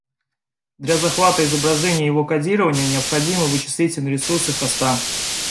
Для захвата изображения и его кодирования необходимы вычислительные ресурсы хоста